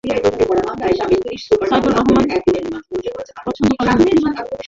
সাইদুর রহমান সাহেব তাঁকে পছন্দ করেন না।